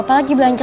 mas suha berani ya